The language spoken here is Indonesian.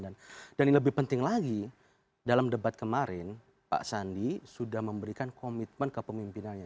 dan yang lebih penting lagi dalam debat kemarin pak sandi sudah memberikan komitmen ke pemimpinannya